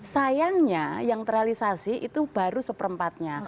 sayangnya yang terrealisasi itu baru seperempatnya